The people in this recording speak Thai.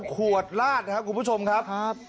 ๙ขวดลาดครับกูผู้ชมครับ